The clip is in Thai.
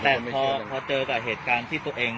แต่พอเจอกับเหตุการณ์ที่ตัวเอง